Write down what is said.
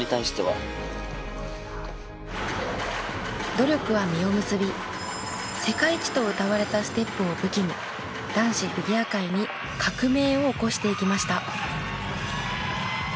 努力は実を結び世界一とうたわれたステップを武器に男子フィギュア界に革命を起こしていきました。